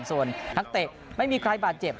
ส่วนนักเตะไม่มีใครบาดเจ็บ